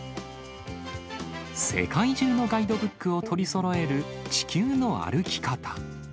世界中のガイドブックを取りそろえる地球の歩き方。